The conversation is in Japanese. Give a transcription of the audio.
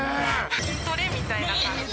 筋トレみたいな感じ。